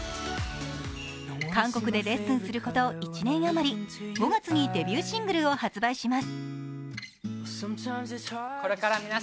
韓国でレッスンすること１年あまり５月にデビューシングルを発売します。